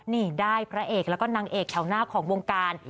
นี่ได้พระเอกแล้วก็นางเอกแถวหน้าของวงการ